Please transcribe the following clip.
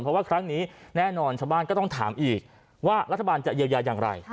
เพราะว่าครั้งนี้แน่นอนชาวบ้านก็ต้องถามอีกว่ารัฐบาลจะเยียวยาอย่างไร